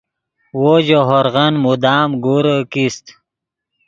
وو ژے ہورغن مدام گورے کیست